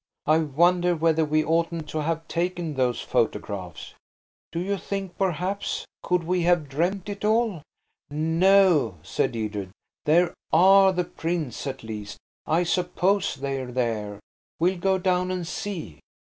I wonder whether we oughtn't to have taken those photographs." "Do you think perhaps ... could we have dreamed it all?" "No," said Edred, "there are the prints–at least, I suppose they're there. We'll go down and see."